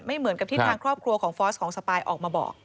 เหมือนกับที่ทางครอบครัวของฟอสของสปายออกมาบอก